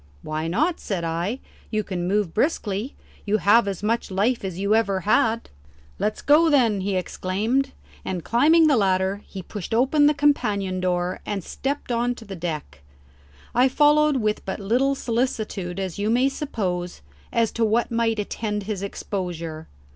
"Why not?" said I. "You can move briskly. You have as much life as ever you had." "Let's go, then," he exclaimed, and climbing the ladder he pushed open the companion door and stepped on to the deck. I followed with but little solicitude, as you may suppose, as to what might attend his exposure.